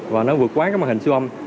và nó vượt quá cái màn hình xô âm